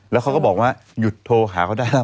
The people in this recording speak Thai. แล้วเขาก็บอกว่าหยุดโทรหาเขาได้แล้ว